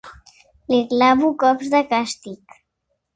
Li clavo cops de càstig.